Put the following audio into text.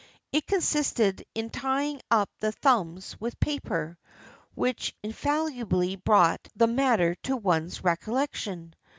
It consisted in tying up the thumbs with paper, which infallibly brought the matter to one's recollection.